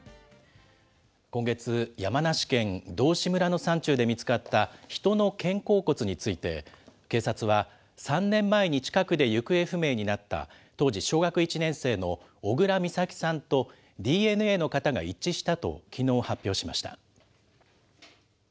今月、山梨県道志村の山中で見つかった人の肩甲骨について、警察は、３年前に近くで行方不明になった、当時小学１年生の小倉美咲さんとＤＮＡの型が一致したと、きのう発表しました。